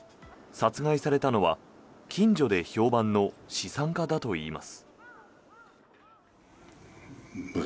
殺害されたのは近所で評判の資産家だといいます。